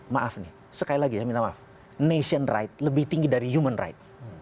maaf nih sekali lagi nama nation right lebih tinggi dari human right